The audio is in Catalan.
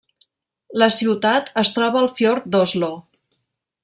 La ciutat es troba al fiord d'Oslo.